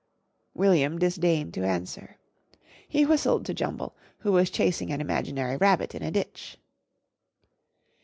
_" William disdained to answer. He whistled to Jumble, who was chasing an imaginary rabbit in a ditch.